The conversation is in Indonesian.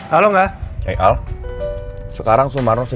harusnya sih bapak udah sampai